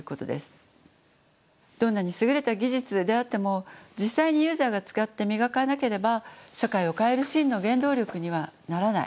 どんなにすぐれた技術であっても実際にユーザーが使って磨かなければ社会を変える真の原動力にはならない。